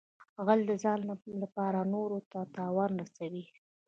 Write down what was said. غل د ځان لپاره نورو ته تاوان رسوي